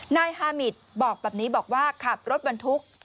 นายฮามิตบอกแบบนี้บอกว่าขับรถบรรทุก